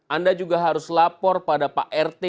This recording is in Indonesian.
anda juga harus lapor pada pak rt